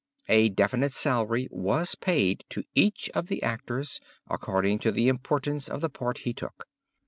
A definite salary was paid to each of the actors according to the importance of the part he took.